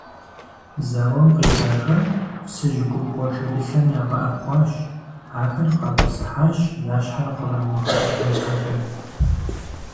Зауэм къелахэр Псыжь губгъуэ шэдылъэм ягъэӏэпхъуащ, ахэр къатӏысыхьащ, я щхьэр кърамыгъэӏэтын щхьэкӏэ.